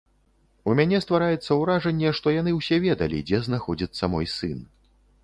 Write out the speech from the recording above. У мяне ствараецца ўражанне, што яны ўсе ведалі, дзе знаходзіцца мой сын.